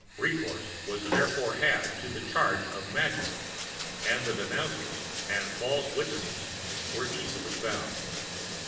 Recourse was therefore had to the charge of magic, and denouncers and false witnesses were easily found.